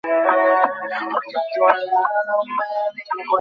নিসার আলি শুকনো গলায় বললেন, হুঁ।